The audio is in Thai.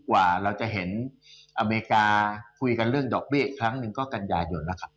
กว่าเราจะเห็นอเมริกาคุยกันเรื่องดอกเบี้ยอีกครั้งหนึ่งก็กันยายนนะครับ